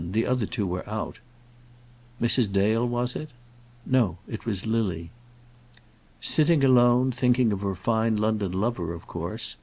The other two were out." "Mrs. Dale, was it?" "No; it was Lily." "Sitting alone, thinking of her fine London lover, of course?